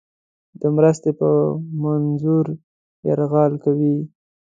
د مرستې په منظور یرغل کوي.